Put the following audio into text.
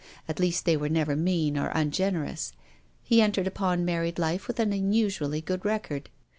At least they were never mean or ungenerous. He entered upon married life with an unusually good record.